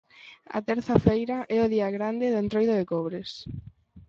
A terza feira é o día grande do entroido de Cobres.